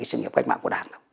sự nghiệp cách mạng của đảng